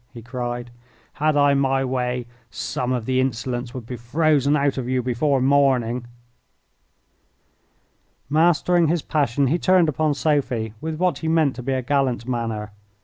he cried. "Had I my way some of the insolence would be frozen out of you before morning." Mastering his passion, he turned upon Sophie with what he meant to be a gallant manner.